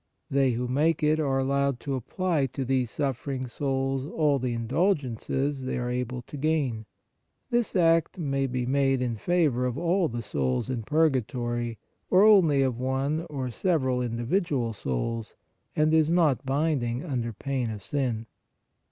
They who make it are allowed to apply to these suffering souls all the indulgences they are able to gain. This Act may be made in favor of all the souls in purgatory, or only of one or several individual souls, and is not binding under pain of sin.